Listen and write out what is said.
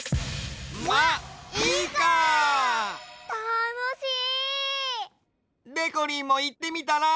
たのしい！でこりんもいってみたら？